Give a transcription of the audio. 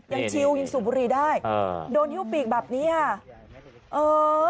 ชิวยังสูบบุรีได้อ่าโดนฮิ้วปีกแบบนี้ค่ะเออ